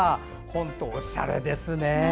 本当おしゃれですね。